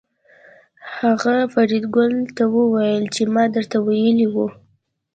هغه فریدګل ته وویل چې ما درته ویلي وو